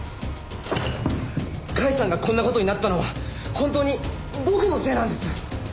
甲斐さんがこんな事になったのは本当に僕のせいなんです！